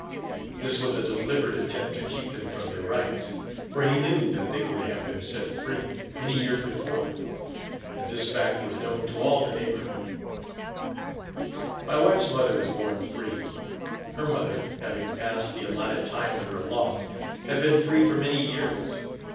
" This was a deliberate attempt to keep them from their rights, for he knew that they were to have been set free, many years before; and this fact was known to all the neighborhood. My wife's mother was born free, her mother, having passed the allotted time under a law, had been free for many years.